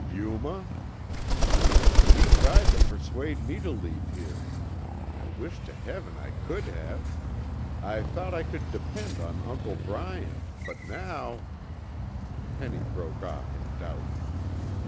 "Yuma?" "He tried to persuade me to leave here. I wish to Heaven I could have. I thought I could depend on Uncle Bryant, but now " Penny broke off in doubt.